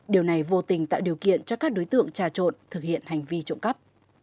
điều này vô tình tạo điều kiện cho các đối tượng trà trộn thực hiện hành vi trộm cắp